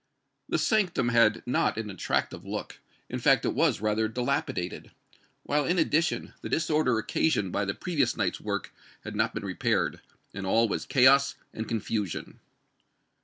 The sanctum had not an attractive look; in fact, it was rather dilapidated, while, in addition, the disorder occasioned by the previous night's work had not been repaired, and all was chaos and confusion.